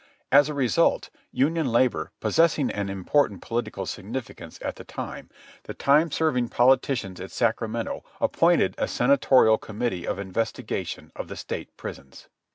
As a result, union labour possessing an important political significance at the time, the time serving politicians at Sacramento appointed a senatorial committee of investigation of the state prisons.